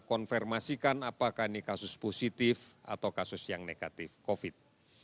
konfirmasikan apakah ini kasus positif atau kasus yang negatif covid